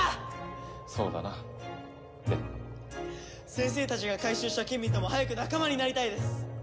先生たちが回収したケミーとも早く仲間になりたいです。